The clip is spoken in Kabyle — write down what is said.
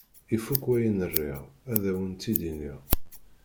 Ifuk wayen riɣ ad awen-t-id-iniɣ.